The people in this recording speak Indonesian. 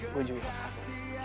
gue juga mau ngomong ke kamu